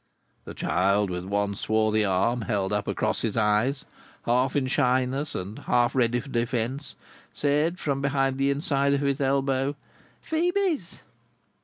The child, with one swarthy arm held up across his eyes, half in shyness, and half ready for defence, said from behind the inside of his elbow: "Phœbe's."